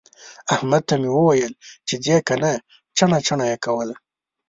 احمد ته مې وويل چې ځې که نه؟ جڼه جڼه يې کول.